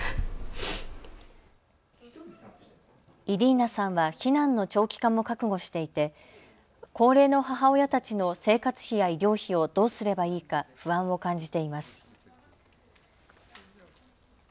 イリーナさんは避難の長期化も覚悟していて高齢の母親たちの生活費や医療費をどうすればいいか不安を感じています。